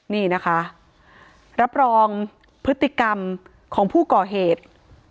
นี่นะคะรับรองพฤติกรรมของผู้ก่อเหตุ